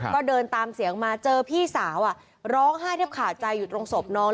ก็เดินตามเสียงมาเจอพี่สาวร้องไห้แทบขาดใจอยู่ตรงศพน้อง